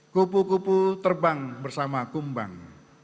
kupu kupu terbang bersama kumbang